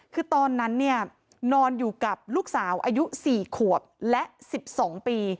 คือตอนนั้นเนี่ยนอนอยู่กับลูกสาวอายุ๔ขวบและ๑๒ปี